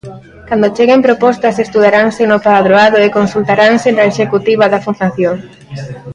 Cando cheguen propostas estudaranse no Padroado e consultaranse na Executiva da fundación.